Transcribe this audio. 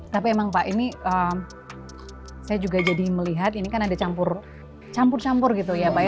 tapi emang pak ini saya juga jadi melihat ini kan ada campur campur gitu ya pak ya